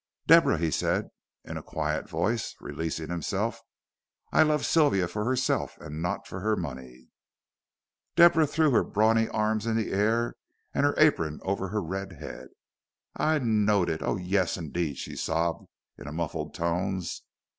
"Deborah," he said, in a quiet voice, releasing himself, "I love Sylvia for herself and not for her money." Deborah threw her brawny arms in the air and her apron over her red head. "I knowed it oh, yuss, indeed," she sobbed in muffled tones.